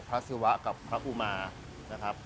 ศิวะกับพระอุมานะครับ